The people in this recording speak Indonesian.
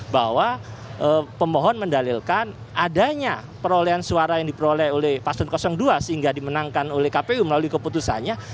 bahwa pemohon mendalilkan adanya perolehan suara yang diperoleh oleh paslon dua sehingga dimenangkan oleh kpu melalui keputusannya